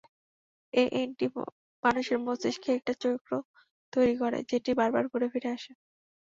এএনটি মানুষের মস্তিষ্কে একটা চক্র তৈরি করে, যেটি বারবার ঘুরেফিরে আসে।